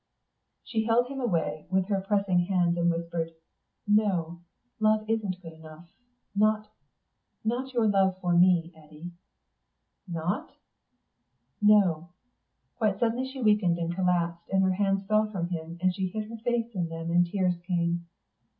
She still held him away with her pressing hands, and whispered, "No, love isn't good enough. Not not your love for me, Eddy." "Not?" "No." Quite suddenly she weakened and collapsed, and her hands fell from him, and she hid her face in them and the tears came.